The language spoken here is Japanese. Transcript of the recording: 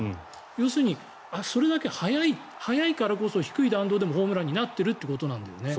要するにそれだけ速いからこそ低い弾道でもホームランになってるってことなんだよね。